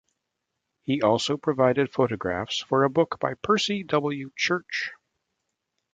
He also provided photographs for a book by Percy W. Church.